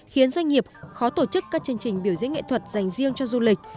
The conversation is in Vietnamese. khiến doanh nghiệp khó tổ chức các chương trình biểu diễn nghệ thuật dành riêng cho du lịch